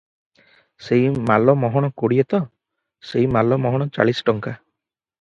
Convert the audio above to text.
ସେହି ମାଲ ମହଣ କୋଡ଼ିଏ ତ 'ସେହି ମାଲ ମହଣ ଚାଳିଶ ଟଙ୍କା ।